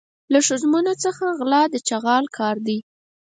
له ښځمنو څخه غلا د چغال کار دی.